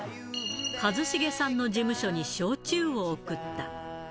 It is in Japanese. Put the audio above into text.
一茂さんの事務所に焼酎を送った。